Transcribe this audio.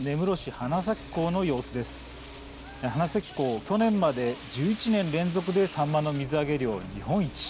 花咲港は去年まで１１年連続でサンマの水揚げ量が日本一。